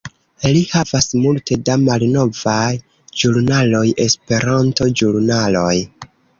Li havas multe da malnovaj ĵurnaloj, Esperanto-ĵurnaloj